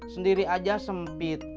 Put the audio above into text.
sendiri aja sempit